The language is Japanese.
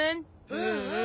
うんうん。